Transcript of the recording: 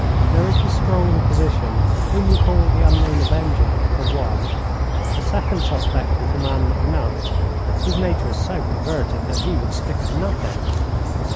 "There is the strolling physician, whom we call the Unknown Avenger, for one. A second suspect is the man McNutt, whose nature is so perverted that he would stick at nothing.